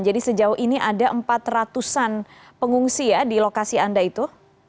jadi sejauh ini ada empat ratus an pengungsi di lokasi anda itu